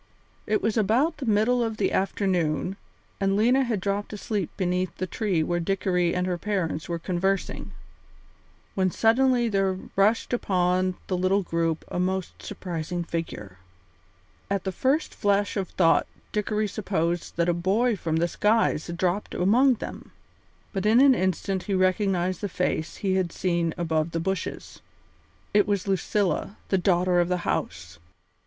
It was about the middle of the afternoon, and Lena had dropped asleep beneath the tree where Dickory and her parents were conversing, when suddenly there rushed upon the little group a most surprising figure. At the first flash of thought Dickory supposed that a boy from the skies had dropped among them, but in an instant he recognised the face he had seen above the bushes. It was Lucilla, the daughter of the house!